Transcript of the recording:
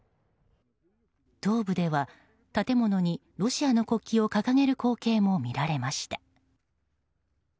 東部では、建物にロシアの国旗を掲げる光景も見られました。